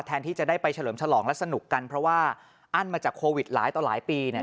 ที่จะได้ไปเฉลิมฉลองและสนุกกันเพราะว่าอั้นมาจากโควิดหลายต่อหลายปีเนี่ย